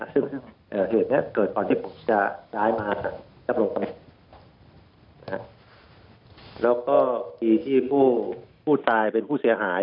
ซึ่งเหตุนี้เกิดก่อนที่ผมจะย้ายมารับรงตำแหน่งแล้วก็ดีที่ผู้ตายเป็นผู้เสียหาย